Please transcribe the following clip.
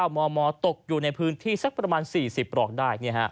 มมตกอยู่ในพื้นที่สักประมาณ๔๐ปลอกได้